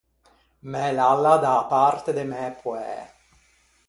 Mæ lalla da-a parte de mæ poæ.